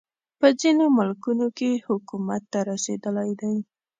په ځینو ملکونو کې حکومت ته رسېدلی دی.